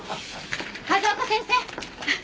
風丘先生。